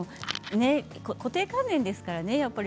固定観念ですからね。